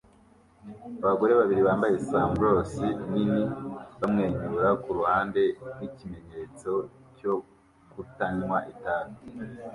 Abagore babiri bambaye sombreros nini bamwenyura kuruhande rwikimenyetso cyo kutanywa itabi